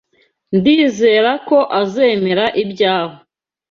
Ndizera ko azemera ibyawe.